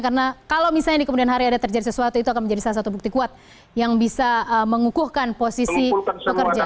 karena kalau misalnya di kemudian hari ada terjadi sesuatu itu akan menjadi salah satu bukti kuat yang bisa mengukuhkan posisi pekerja